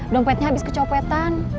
dompetnya habis kecopetan